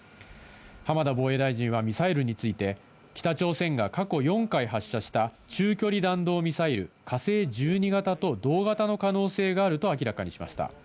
浜田防衛大臣はミサイルについて、北朝鮮が過去４回発射した中距離弾道ミサイル「火星１２型」と同型の可能性があると明らかにしました。